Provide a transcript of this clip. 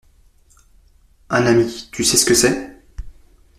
Un ami, tu sais ce que c’est?